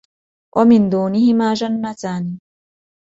وَمِن دُونِهِمَا جَنَّتَانِ